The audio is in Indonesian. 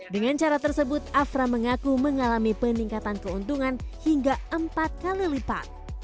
dengan cara tersebut afra mengaku mengalami peningkatan keuntungan hingga empat kali lipat